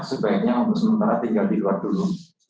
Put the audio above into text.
sebaiknya untuk sementara tinggal di luar dulu